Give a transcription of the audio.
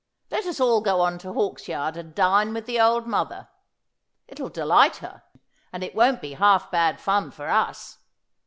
Let us all go on to Hawksyard and dine with the old mother. It'll delight her, and it won't be half bad fun for us.